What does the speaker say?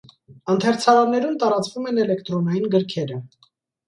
Ընթերցարաններում տարածվում են էլեկտրոնային գրքերը։